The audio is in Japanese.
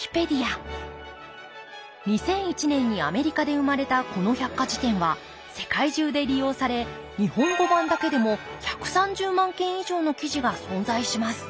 ２００１年にアメリカで生まれたこの百科事典は世界中で利用され日本語版だけでも１３０万件以上の記事が存在します